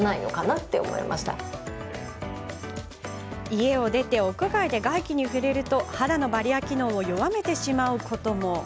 家を出て屋外で外気に触れると肌のバリアー機能を弱めてしまうことも。